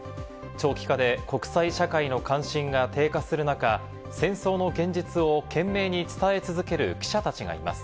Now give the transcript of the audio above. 長期化で国際社会の関心が低下する中、戦争の現実を懸命に伝え続ける記者たちがいます。